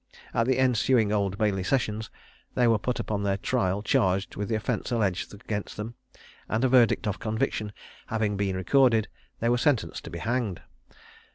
At the ensuing Old Bailey Sessions, they were put upon their trial charged with the offence alleged against them, and a verdict of conviction having been recorded, they were sentenced to be hanged.